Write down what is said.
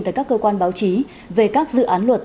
tới các cơ quan báo chí về các dự án luật